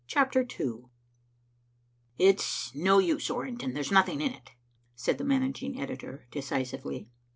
CHAPTER II "It's no use, Orrington, there's nothing in it," said the managing editor decisively.